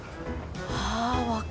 ああ分かる。